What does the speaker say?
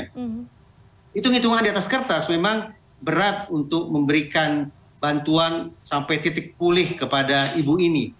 hitung hitungan di atas kertas memang berat untuk memberikan bantuan sampai titik pulih kepada ibu ini